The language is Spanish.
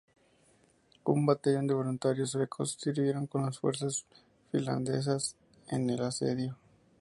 Un batallón de voluntarios suecos sirvieron con las fuerzas finlandesas en el asedio.